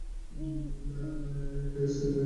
একটা recoilless rifle.